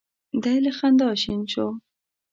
دی له خندا شین شو.